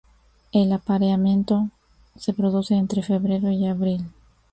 El apareamiento se produce entre febrero y abril.